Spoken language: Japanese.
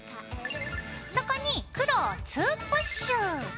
そこに黒を２プッシュ。